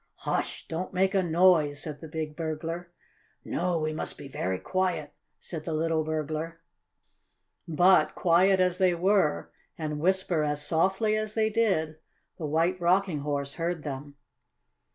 "Hush! Don't make a noise!" said the big burglar. "No, we must be very quiet," said the little burglar. But, quiet as they were, and whisper as softly as they did, the White Rocking Horse heard them.